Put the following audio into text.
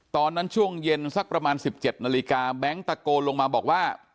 ช่วงเย็นสักประมาณ๑๗นาฬิกาแบงค์ตะโกนลงมาบอกว่า